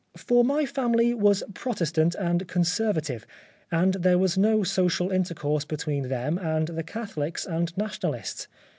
For my family was Protestant and Conservative, and there was no social intercourse between them and the Catholics and Nationalists.